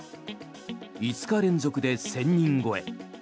５日連続で１０００人超え。